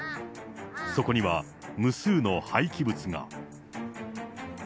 そこには無数の廃棄物が。